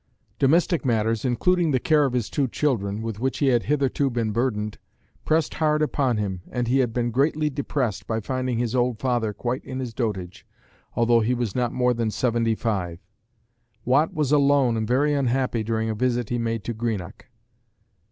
Domestic matters, including the care of his two children, with which he had hitherto been burdened, pressed hard upon him, and he had been greatly depressed by finding his old father quite in his dotage, although he was not more than seventy five. Watt was alone and very unhappy during a visit he made to Greenock.